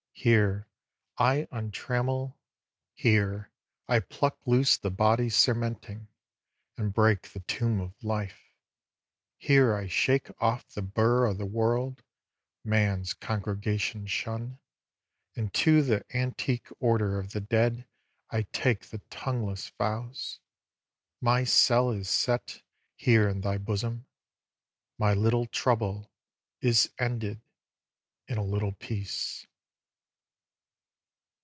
Here I untrammel, Here I pluck loose the body's cerementing, And break the tomb of life; here I shake off The bur o' the world, man's congregation shun, And to the antique order of the dead I take the tongueless vows: my cell is set Here in thy bosom; my little trouble is ended In a little peace.